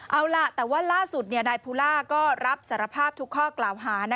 เอาล่ะแต่ว่าล่าสุดนายภูล่าก็รับสารภาพทุกข้อกล่าวหา